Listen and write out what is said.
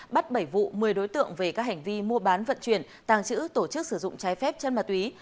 bắt bảy vụ một mươi đối tượng về các hành vi mua bán vận chuyển tàng trữ tổ chức sử dụng trái phép chân ma túy